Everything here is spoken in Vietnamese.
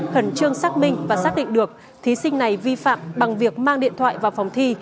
khẩn trương xác minh và xác định được thí sinh này vi phạm bằng việc mang điện thoại vào phòng thi